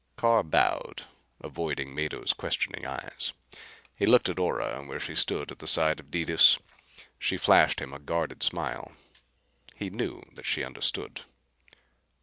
Carr bowed, avoiding Mado's questioning eyes. He looked at Ora where she stood at the side of Detis. She flashed him a guarded smile. He knew that she understood.